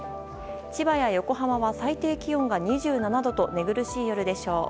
千葉や横浜は最低気温が２７度と寝苦しい夜でしょう。